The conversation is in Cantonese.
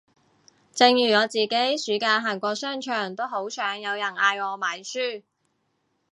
正如我自己暑假行過商場都好想有人嗌我買書